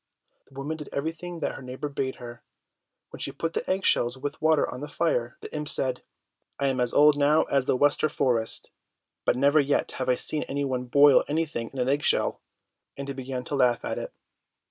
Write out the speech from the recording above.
The woman did everything that her neighbour bade her. When she put the egg shells with water on the fire, the imp said, "I am as old now as the Wester forest, but never yet have I seen any one boil anything in an egg shell!" And he began to laugh at it.